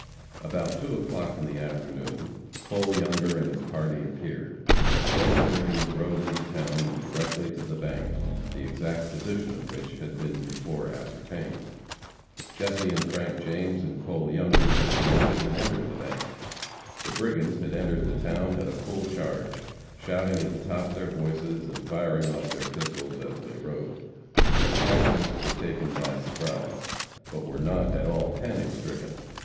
About 2 o'clock in the afternoon, Cole Younger and his party appeared, then the brigands rode into town and directly to the bank, the exact position of which had been before ascertained. Jesse and Frank James and Cole Younger dismounted and entered the bank. The brigands had entered the town at a full charge, shouting at the top of their voices and firing off their pistols as they rode. The inhabitants were taken by surprise, but were not at all panic stricken.